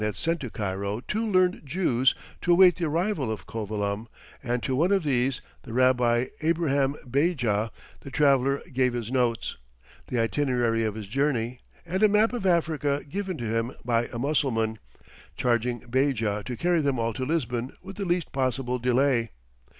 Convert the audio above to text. had sent to Cairo two learned Jews to await the arrival of Covilham, and to one of these, the Rabbi Abraham Beja, the traveller gave his notes, the itinerary of his journey, and a map of Africa given to him by a Mussulman, charging Beja to carry them all to Lisbon with the least possible delay.